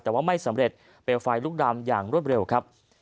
แต่ว่าไม่สำเร็จเปลวไฟลุกดำอย่างรวดเร็วครับ